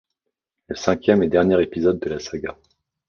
Le cinquième et dernier épisode de la saga.